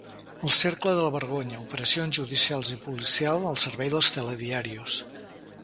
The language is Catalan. El cercle de la vergonya: operacions judicials i policials al servei dels “telediarios”.